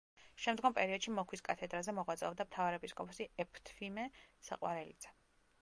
შემდგომ პერიოდში მოქვის კათედრაზე მოღვაწეობდა მთავარეპისკოპოსი ეფთვიმე საყვარელიძე.